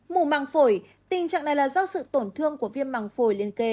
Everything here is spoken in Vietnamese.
mù măng phổi tình trạng này là do sự tổn thương của viêm măng phổi liên kề